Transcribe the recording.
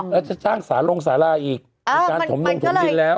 แล้วจะจ้างสาลงสาราอีกมีการถมลงถมดินแล้ว